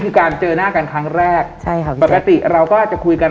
คือการเจอหน้ากันครั้งแรกใช่ครับปกติเราก็จะคุยกัน